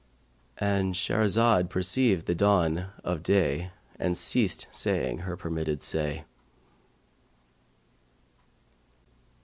"—And Shahrazad perceived the dawn of day and ceased saying her permitted say.